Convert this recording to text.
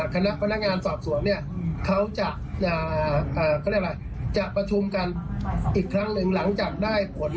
คณะพนักงานสอบส่วนเขาจะ